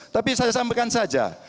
tapi saya sampaikan saja